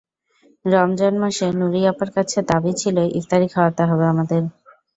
রমজান মাসে নূরী আপার কাছে দাবি ছিল, ইফতারি খাওয়াতে হবে আমাদের।